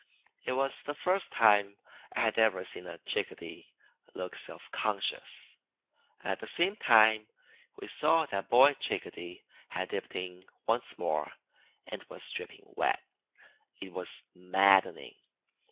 It was the first time I had ever seen a Chickadee look self conscious. At the same time we saw that Boy Chickadee had dipped in once more and was dripping wet. It was maddening.